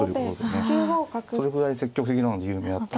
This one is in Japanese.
それぐらい積極的なので有名だったんで。